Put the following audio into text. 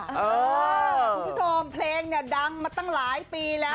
คุณผู้ชมเพลงเนี่ยดังมาตั้งหลายปีแล้ว